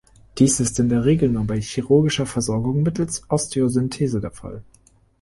Dies ist in der Regel nur bei chirurgischer Versorgung mittels Osteosynthese der Fall.